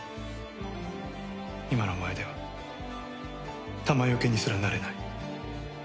今のお前では弾よけにすらなれない。